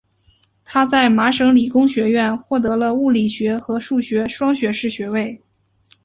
他在麻省理工学院获得了物理学和数学双学士学位。